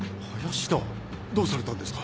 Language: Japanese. どうされたんですか？